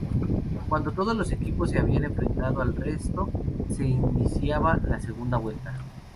Cuando todos los equipos se habían enfrentado al resto, se iniciaba la segunda vuelta.